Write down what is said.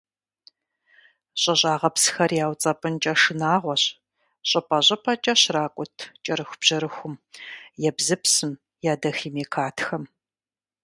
ЩӀыщӀагъыпсхэр яуцӀэпӀынкӀэ шынагъуэщ щӀыпӀэ -щӀыпӀэкӀэ щракӀут кӀэрыхубжьэрыхум, ебзыпсым, ядохимикатхэм.